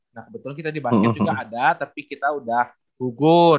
nah kebetulan kita di basket juga ada tapi kita udah gugur